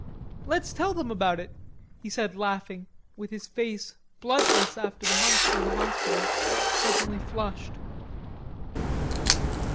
"Let's tell them about it," he said still laughing, with his face, bloodless after the months in hospital, suddenly flushed.